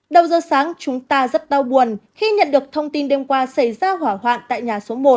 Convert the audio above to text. đầu giờ sáng chúng ta rất đau buồn khi nhận được thông tin đêm qua xảy ra hỏa hoạn tại nhà số một